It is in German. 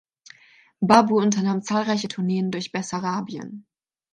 Barbu unternahm zahlreiche Tourneen durch Bessarabien.